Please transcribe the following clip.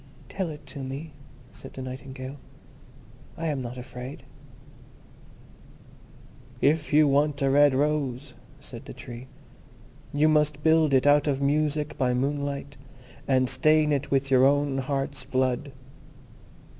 "Tell it to me," said the Nightingale, "I am not afraid." "If you want a red rose," said the Tree, "you must build it out of music by moonlight, and stain it with your own heart's blood.